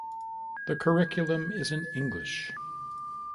The curriculum is in English.